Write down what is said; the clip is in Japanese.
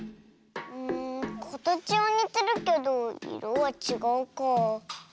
かたちはにてるけどいろはちがうかあ。